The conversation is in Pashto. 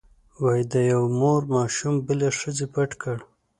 وایي د یوې مور ماشوم بلې ښځې پټ کړ.